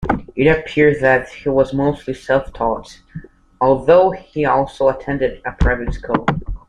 It appears that he was mostly self-taught, although he also attended a private school.